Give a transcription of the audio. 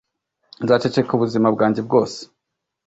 nzaceceka ubuzima bwanjye bwose